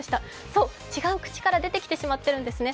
そう、違う口から出てきてしまっているんですね。